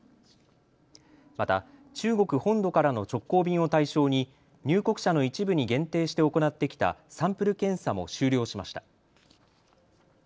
また中国本土からの直行便を対象に入国者の一部に限定して行ってきたサンプル検査も終了しました。